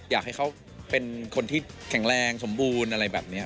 อยากให้เขาเป็นคนที่แข็งแรงสมบูรณ์อะไรแบบนี้